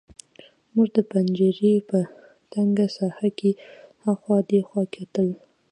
موږ د پنجرې په تنګه ساحه کې هاخوا دېخوا کتل